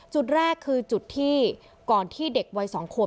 จุดแรกคือจุดที่ก่อนที่เด็กวัย๒ขวบ